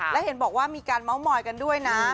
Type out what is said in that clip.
และเห็นบอกว่ามีการเมาส์มอยกันด้วยนะ